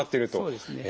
そうですね。